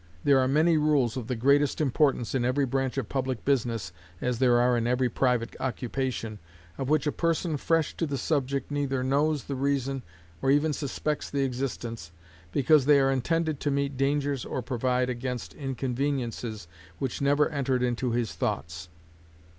There are many rules of the greatest importance in every branch of public business (as there are in every private occupation), of which a person fresh to the subject neither knows the reason or even suspects the existence, because they are intended to meet dangers or provide against inconveniences which never entered into his thoughts.